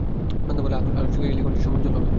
সন্ধ্যাবেলায় আলোকশিখায় এই লিখনটি সমুজ্জ্বল হবে।